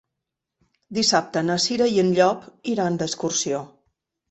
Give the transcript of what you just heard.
Dissabte na Cira i en Llop iran d'excursió.